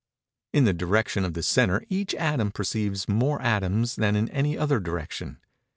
In the direction of the centre each atom perceives more atoms than in any other direction.